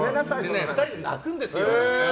２人で泣くんですよ。